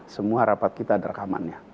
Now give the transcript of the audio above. semua rapat kita ada rekamannya